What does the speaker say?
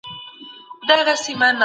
دوی به د تېر وضعیت پرتله کوي.